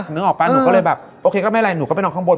นึกออกป่ะหนูก็เลยแบบโอเคก็ไม่เป็นไรหนูก็ไปนอนข้างบน